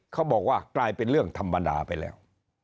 เขาบอกว่ากลายเป็นเรื่องธรรมดาไปแล้ว